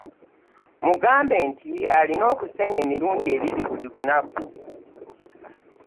Mugambe nti alina okusenya emirundi ebiri buli lunaku.